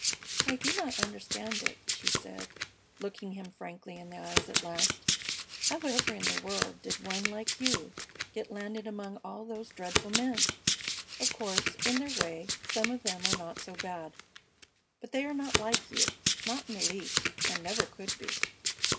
"I do not understand it," she said, looking him frankly in the eyes at last. "How ever in the world did one like you get landed among all those dreadful men! Of course, in their way, some of them are not so bad; but they are not like you, not in the least, and never could be."